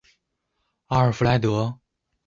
阿尔弗莱德？